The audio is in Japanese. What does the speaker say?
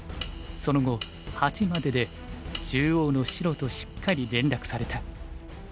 その後８までで中央の白としっかり連絡された。